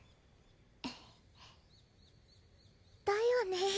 だよね